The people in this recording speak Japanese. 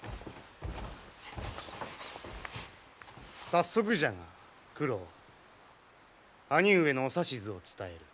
早速じゃが九郎兄上のお指図を伝える。